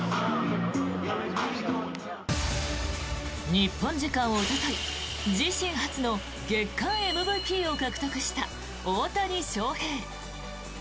日本時間おととい自身初の月間ＭＶＰを獲得した大谷翔平。